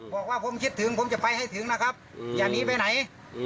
บอกว่าผมคิดถึงผมจะไปให้ถึงนะครับอย่าหนีไปไหน